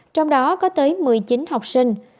trong đó có tới một mươi chín học sinh